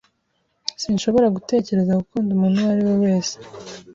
Sinshobora gutekereza gukunda umuntu uwo ari we wese.